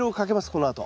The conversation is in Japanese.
このあと。